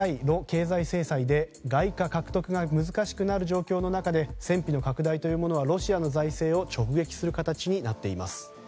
アメリカ、ヨーロッパ欧米の対露経済制裁で外貨獲得が難しくなる状況の中で戦費の拡大というものはロシアの財政を直撃する形になっています。